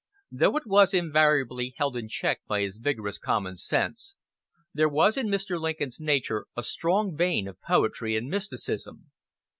Though it was invariably held in check by his vigorous common sense, there was in Mr. Lincoln's nature a strong vein of poetry and mysticism.